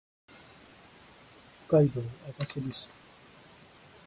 北海道網走市